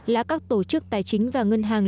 là các tổ chức tài chính và ngân hàng